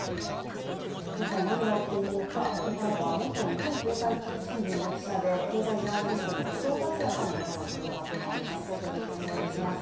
一体何が起きているのか、ここからは元日本経済新聞の記者で経済ジャーナリストの後藤達也さんにお話を伺ってまいります。